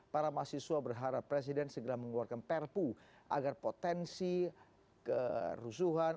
para mahasiswa berharap presiden segera mengeluarkan perpu agar potensi kerusuhan